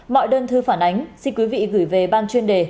mọi đơn thư phản ánh xin quý vị gửi về ban chuyên đề